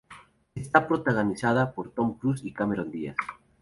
Está protagonizada por Tom Cruise y Cameron Diaz.